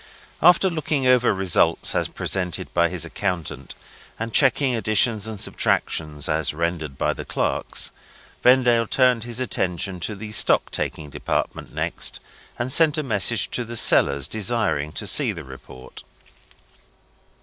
After looking over results, as presented by his accountant, and checking additions and subtractions, as rendered by the clerks, Vendale turned his attention to the stock taking department next, and sent a message to the cellars, desiring to see the report.